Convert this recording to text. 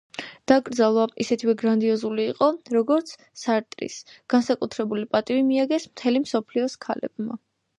დაკრძალვა ისეთივე გრანდიოზული იყო, როგორც სარტრის, განსაკუთრებული პატივი მიაგეს მთელი მსოფლიოს ქალებმა.